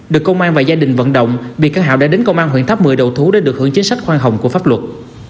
được công an và gia đình vận động bị các hảo đã đến công an huyện tháp một mươi đầu thú để được hưởng chính sách khoan hồng của pháp luật